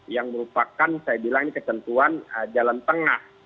yang merupakan saya bilang ini ketentuan jalan tengah